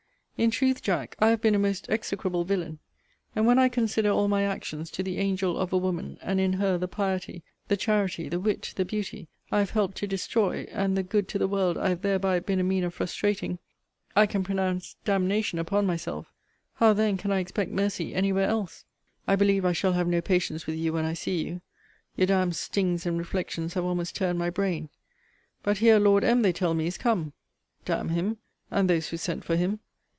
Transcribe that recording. In truth, Jack, I have been a most execrable villain. And when I consider all my actions to the angel of a woman, and in her the piety, the charity, the wit, the beauty, I have helped to destroy, and the good to the world I have thereby been a mean of frustrating, I can pronounce d n n upon myself. How then can I expect mercy any where else? I believe I shall have no patience with you when I see you. Your d d stings and reflections have almost turned my brain. But here Lord M. they tell me, is come! D n him, and those who sent for him!